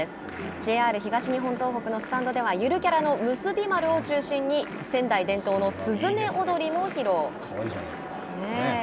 ＪＲ東日本東北のスタンドではゆるキャラの「むすび丸」を中心に仙台伝統のすずめ踊りも披露。